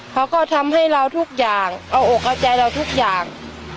เขาก็ทำให้เราทุกอย่างเอาอกเอาใจเราทุกอย่าง